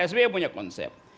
sbe punya konsep